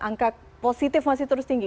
angka positif masih terus tinggi